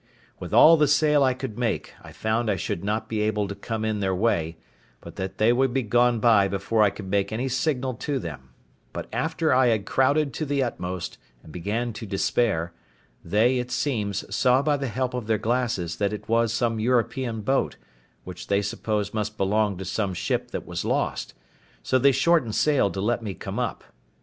With all the sail I could make, I found I should not be able to come in their way, but that they would be gone by before I could make any signal to them: but after I had crowded to the utmost, and began to despair, they, it seems, saw by the help of their glasses that it was some European boat, which they supposed must belong to some ship that was lost; so they shortened sail to let me come up.